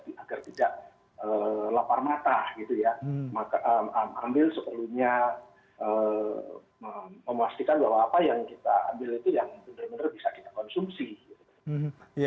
ambil seperlunya memastikan bahwa apa yang kita ambil itu yang benar benar bisa kita konsumsi